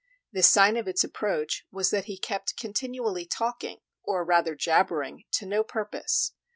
The sign of its approach was that he kept continually talking, or rather jabbering, to no purpose.